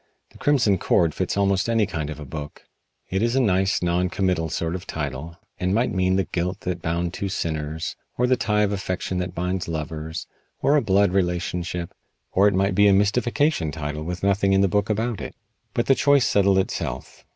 "The Crimson Cord" fits almost any kind of a book. It is a nice, non committal sort of title, and might mean the guilt that bound two sinners, or the tie of affection that binds lovers, or a blood relationship, or it might be a mystification title with nothing in the book about it. But the choice settled itself.